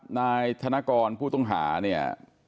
นายธนกรผู้ต้องหาเนี่ย